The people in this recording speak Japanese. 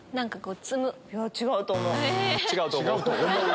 「違うと思う」！